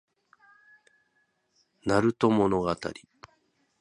なると物語